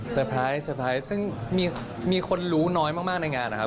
เตอร์ไพรส์ซึ่งมีคนรู้น้อยมากในงานนะครับ